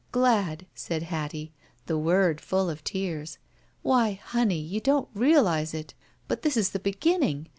"Glad," said Hattie, the word full of tears. "Why, honey, you don't realize it, but this is the beginning!